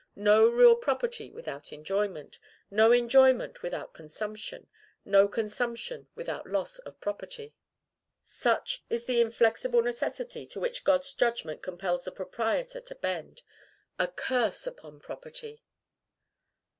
No real property without enjoyment; no enjoyment without consumption; no consumption without loss of property, such is the inflexible necessity to which God's judgment compels the proprietor to bend. A curse upon property!